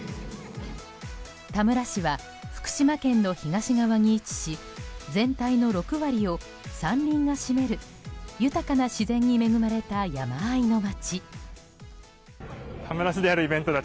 田村市は福島県の東側に位置し全体の６割を山林が占める豊かな自然に恵まれた山あいの町。